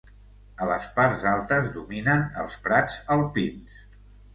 A les parts altes dominen els prats alpins.